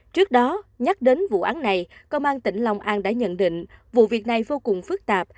trước đó nhắc đến vụ án này công an tỉnh long an đã nhận định vụ việc này vô cùng phức tạp